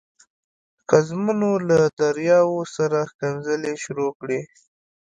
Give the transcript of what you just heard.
ښځمنو له دریاو سره ښکنځلې شروع کړې.